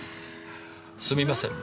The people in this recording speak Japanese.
すみませんね。